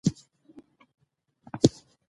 سوی په ځنګل کې چټک دی.